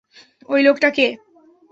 ঐ লোকটা কে?